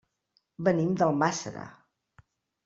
Venim d'Almàssera.